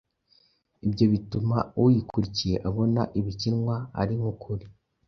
Ibyo bituma uyikurikiye abona ibikinwa ari nk’ukuri.